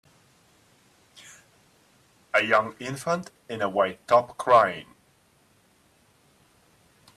A young infant in a white top crying.